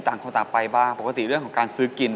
ต่างคนต่างไปบ้างปกติเรื่องของการซื้อกิน